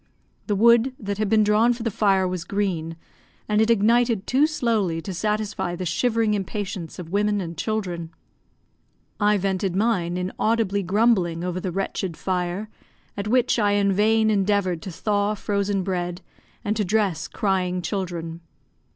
The wood that had been drawn for the fire was green, and it ignited too slowly to satisfy the shivering impatience of women and children; I vented mine in audibly grumbling over the wretched fire, at which I in vain endeavoured to thaw frozen bread, and to dress crying children.